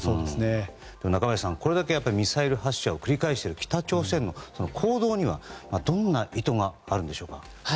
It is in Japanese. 中林さん、これだけミサイル発射を繰り返している北朝鮮の行動にはどんな意図があるんでしょうか。